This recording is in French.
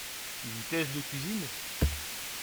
Une thèse de cuisine?